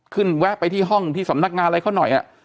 แวะไปที่ห้องที่สำนักงานอะไรเขาหน่อย